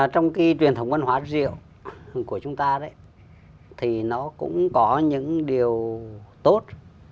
trong truyền thống văn hóa rượu của chúng ta nó cũng có những điều tốt